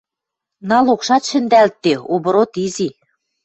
Налогшат шӹндӓлтде — оборот изи.